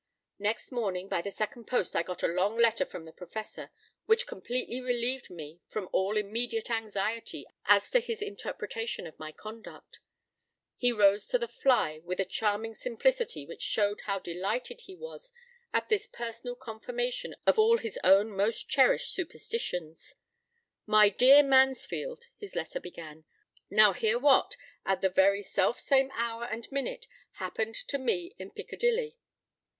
p> Next morning by the second post I got a long letter from the Professor, which completely relieved me from all immediate anxiety as to his interpretation of my conduct. He rose to the fly with a charming simplicity which showed how delighted he was at this personal confirmation of all his own most cherished superstitions. "My dear Mansfield," his letter began, "now hear what, at the very self same hour and minute, happened to me in Piccadilly."